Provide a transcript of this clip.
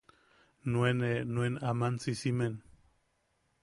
Nuenne nuen aman sisimen.